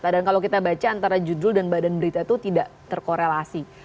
dan kalau kita baca antara judul dan badan berita itu tidak terkorelasi